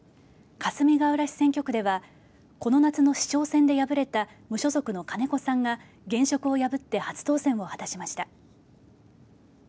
かすみがうら市選挙区ではこの夏の市長選で敗れた無所属の金子さんが現職を破って初当選を果たしました。